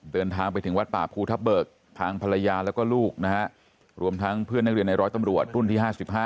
เดินทางไปถึงวัดป่าภูทับเบิกทางภรรยาแล้วก็ลูกนะฮะรวมทั้งเพื่อนนักเรียนในร้อยตำรวจรุ่นที่๕๕